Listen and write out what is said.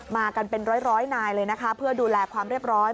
มากันเป็นร้อยนายเลยนะคะเพื่อดูแลความเรียบร้อย